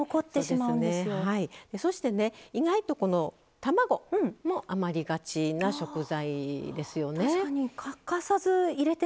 そして、卵も余りがちな食材ですよね。